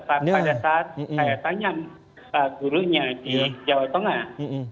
pada saat saya tanya gurunya di jawa tengah